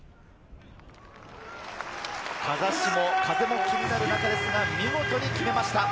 風下、風も気になる中ですが、見事に決めました。